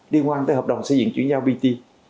điên quan tới hợp đồng xây dựng chuyển giao pt